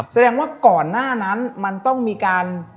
แสดงว่าก่อนหน้านั้นมันต้องมีการ